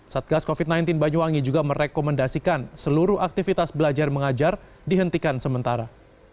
satgas covid sembilan belas banyuwangi juga merekomendasikan seluruh aktivitas belajar mengajar dihentikan sementara